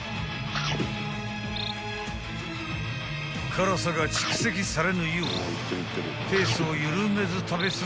［辛さが蓄積されぬようペースを緩めず食べ進める］